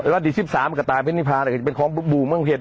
วันที่๑๓กระต่ายเพนิพาเป็นของบู่เมืองเพชร